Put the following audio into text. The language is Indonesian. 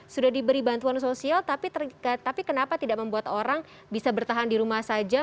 sudah diberi bantuan sosial tapi kenapa tidak membuat orang bisa bertahan di rumah saja